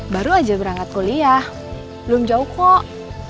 baru aja berangkat kuliah belum jauh kok